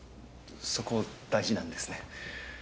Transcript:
そこ大事なんですね。